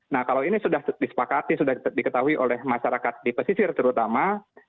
nah kalau ini sudah disepakati sudah diketahui oleh masyarakat di pesisir terutama